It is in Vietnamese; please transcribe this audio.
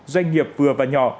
doanh nghiệp vừa và nhỏ